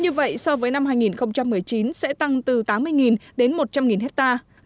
như vậy so với năm hai nghìn một mươi chín sẽ tăng từ tám mươi đến một trăm linh hectare